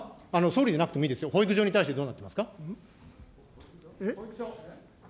総理じゃなくてもいいですよ、保育所に対してどうなってますか。